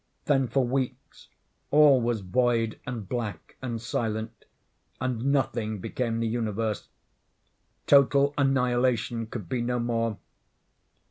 Then, for weeks, all was void, and black, and silent, and Nothing became the universe. Total annihilation could be no more.